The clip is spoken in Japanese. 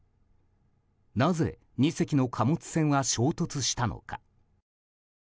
なぜ２隻の貨物船は衝突したのか。